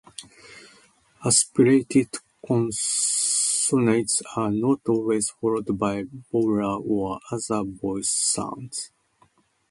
Aspirated consonants are not always followed by vowels or other voiced sounds.